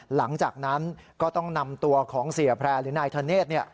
หลังจากนั้นก็ต้องนำตัวของเสียแพร่หรือนายธเนธ